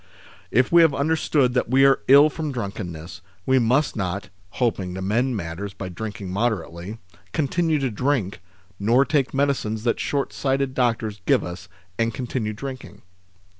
If we have understood that we are ill from drunkenness, we must not (hoping to mend matters by drinking moderately) continue to drink, nor take medicines that shortsighted doctors give us and continue drinking.